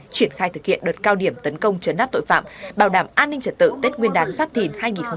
triển khai thực hiện đợt cao điểm tấn công chấn áp tội phạm bảo đảm an ninh trật tự tết nguyên đán giáp thìn hai nghìn hai mươi bốn